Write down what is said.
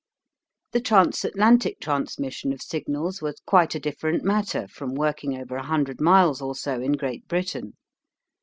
The trans Atlantic transmission of signals was quite a different matter from working over 100 miles or so in Great Britain.